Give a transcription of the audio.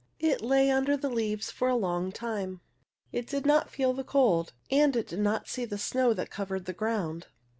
It lay under the leaves for a long time. It did not feel the cold, and it did not see the snow that covered the ground.